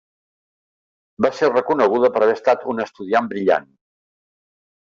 Va ser reconeguda per haver estat una estudiant brillant.